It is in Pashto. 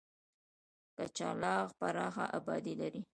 کچلاغ پراخه آبادي لري.